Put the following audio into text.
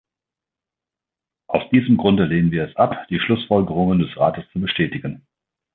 Aus diesem Grunde lehnen wir es ab, die Schlussfolgerungen des Rates zu bestätigen.